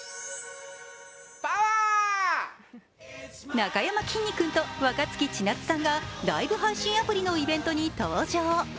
なかやまきんに君と若槻千夏さんがライブ配信アプリのイベントに登場。